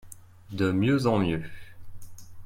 De mieux en mieux.